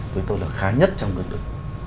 với tôi là khá nhất trong cái đợt